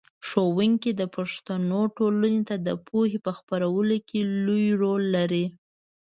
ښوونکی د پښتنو ټولنې ته د پوهې په خپرولو کې لوی رول لري.